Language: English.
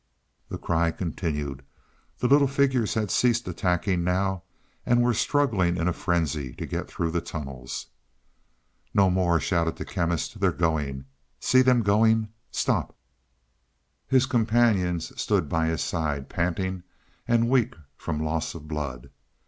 The cry continued. The little figures had ceased attacking now and were struggling in a frenzy to get through the tunnels. "No more," shouted the Chemist. "They're going. See them going? Stop." His companions stood by his side, panting and weak from loss of blood.